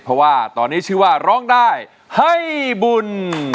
เพราะว่าตอนนี้ชื่อว่าร้องได้ให้บุญ